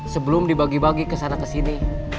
sebelum dibagi bagi kesana kesini